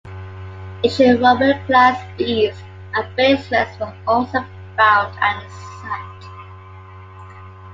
Ancient Roman glass beads and bracelets were also found at the site.